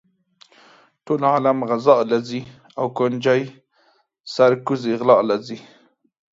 ټول عالم غزا لہ ځی او ګنجي سر کوزے غلا لہ ځی